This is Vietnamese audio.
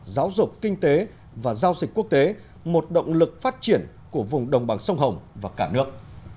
giáo dục kinh tế và giao dịch quốc tế một động lực phát triển của vùng đồng bằng sông hồng và cả nước